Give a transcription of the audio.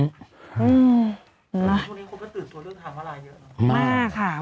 แล้วช่วงนี้คนก็ตื่นตัวเรื่องทางมาลายเยอะเนอะ